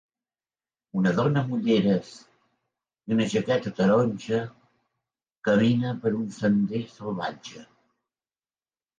Una dona amb ulleres i una jaqueta taronja camina per un sender salvatge.